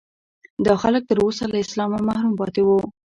دا خلک تر اوسه له اسلامه محروم پاتې وو.